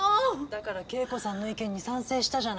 だから恵子さんの意見に賛成したじゃない。